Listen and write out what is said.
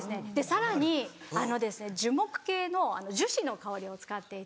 さらに樹木系の樹脂の香りを使っていて。